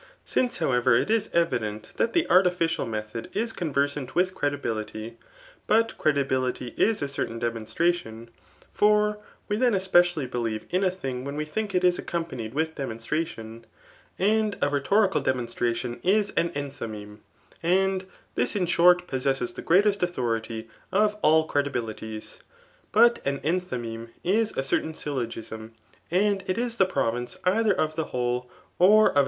Since, however, it is evident that the artificial method is conversant with credibility ; but credibility is a certain demonstration ; for we then especially' believe in a thiiig when we think it is accompanied with demonstration ; and a rhetorical demonstratidn is an enthymeme ; and* this in short possesses the greatest authority <^ ajl crevii . bilitiqsi but aaendiymeme is a certidn sylk^^smy aodr^l^ is the province cither of timmhfokfQX cf a.